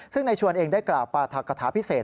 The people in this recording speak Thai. ซึ่งในชวนเองได้กล่าวปราธกฐาพิเศษ